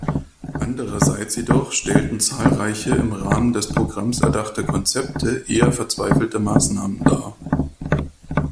Andererseits jedoch stellten zahlreiche im Rahmen des Programms erdachte Konzepte eher verzweifelte Maßnahmen dar.